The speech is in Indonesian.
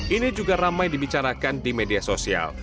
ini juga ramai dibicarakan di media sosial